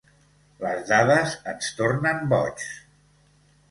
Les dades ens tornen boigs.